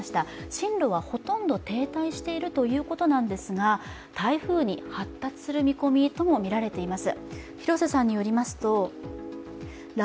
進路はほとんど停滞しているということなんですが、台風に発達する見込みともみられています。